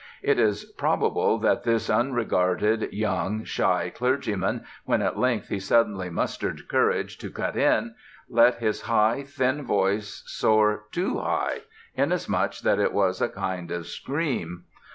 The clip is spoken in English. It is probable that this unregarded, young, shy clergyman, when at length he suddenly mustered courage to 'cut in,' let his high, thin voice soar too high, insomuch that it was a kind of scream.